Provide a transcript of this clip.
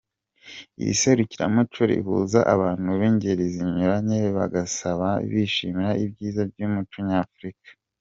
Iri serukiramuco rihuza abantu b'ingeri zinyuranye bagasabana bishimira ibyiza by'umuco nyafurika.